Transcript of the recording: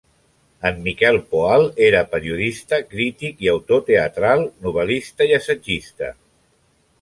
En Miquel Poal era periodista, crític i autor teatral, novel·lista i assagista.